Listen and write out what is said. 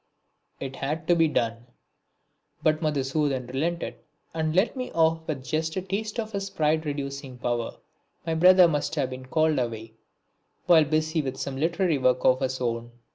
It had to be done! But Madhusudan relented and let me off with just a taste of his pride reducing power. My brother must have been called away while busy with some literary work of his own.